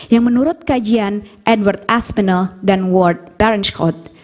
yang menurut kajian edward aspinall dan ward berenschot